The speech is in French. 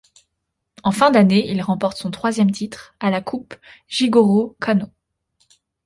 En fin d'année, il remporte son troisième titre à la Coupe Jigoro Kano.